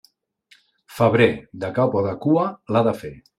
Febrer, de cap o de cua l'ha de fer.